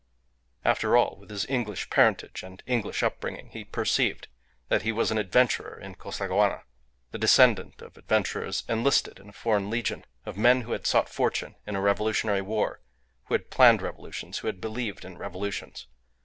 After all, with his English parentage and English upbringing, he perceived that he was an adventurer in Costaguana, the descendant of adventurers enlisted in a foreign legion, of men who had sought fortune in a revolutionary war, who had planned revolutions, who had believed in revolutions.